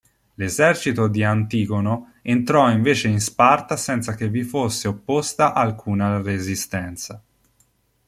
L'esercito di Antigono entrò invece in Sparta senza che vi fosse opposta alcuna resistenza.